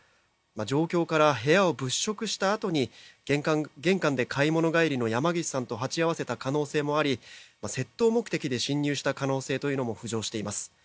状況から部屋を物色したあとに玄関で買い物帰りの山岸さんと鉢合わせた可能性もあり窃盗目的で侵入した可能性というのも浮上しています。